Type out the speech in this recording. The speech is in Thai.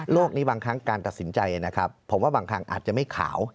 นี้บางครั้งการตัดสินใจนะครับผมว่าบางครั้งอาจจะไม่ขาว